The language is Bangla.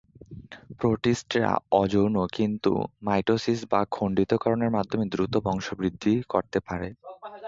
প্রোটিস্টরা অযৌন কিন্তু মাইটোসিস বা খন্ডিতকরণের মাধ্যমে দ্রুত বংশবৃদ্ধি করতে পারে।